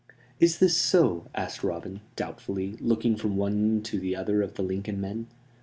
"Is this so?" asked Robin, doubtfully, looking from one to the other of the Lincoln men.